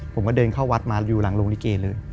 ผมก็เดินเข้าวัดมาอยู่หลังโรงลิเกเลย